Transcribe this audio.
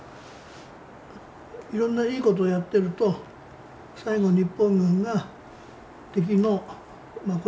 いろんないいことやってると最後日本軍が敵のまあ